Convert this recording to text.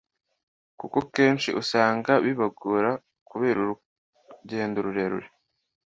kuko kenshi usanga bibagora kubera urugendo rurerure